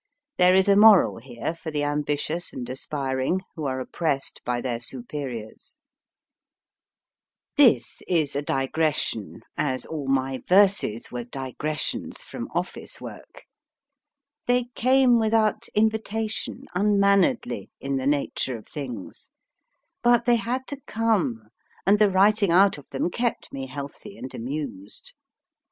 There is a moral here for the ambitious and aspiring who are oppressed by their superiors. YOUR POTERY VERY GOOD, SIR ; JUST COMING PROPER LENGTH TO DAY This is a digression, as all my verses were digressions from office work. They came without invitation, unmanneredly, in the nature of things ; but they had to come, and the writing out of them kept me healthy and amused.